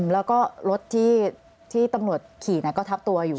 แล้วก็รถที่ตำรวจขี่ก็ทับตัวอยู่